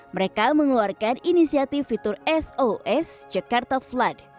mereka mengeluarkan inisiatif fitur sos jakarta flood